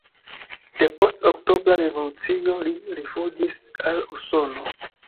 Depost Oktobra Revolucio li rifuĝis al Usono.